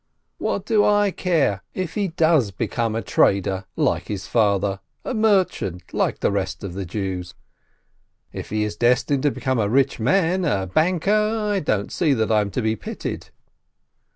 What do I care if he does become a trader like his father, a merchant like the rest of the Jews? If he is destined to become a rich man, a banker, I don't see that I'm to be pitied."